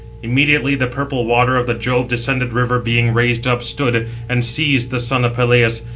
Immediately the purple water of the Jove descended river being raised up, stood, and seized the son of Peleus.